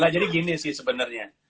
jadi gini sih sebenarnya